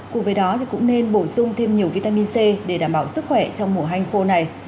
cùng với đó cũng nên bổ sung thêm nhiều vitamin c để đảm bảo sức khỏe trong mùa hanh khô này